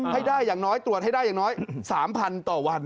ให้ได้อย่างน้อยตรวจให้ได้อย่างน้อย๓๐๐ต่อวัน